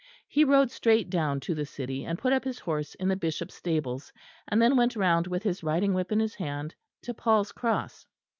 He rode straight down to the city and put up his horse in the Bishop's stables, and then went round with his riding whip in his hand to Paul's Cross.